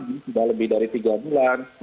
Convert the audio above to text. ini sudah lebih dari tiga bulan